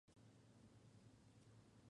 Falleció en Hollywood, California.